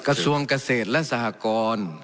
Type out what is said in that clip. กระทรวงเกษตรและสหกร